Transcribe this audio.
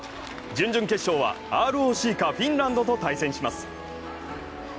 準々決勝はＲＯＣかフィンランドと対戦します。